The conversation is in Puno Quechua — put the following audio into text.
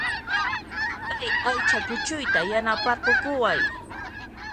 Kay aycha kuchuyta yanaparqukuway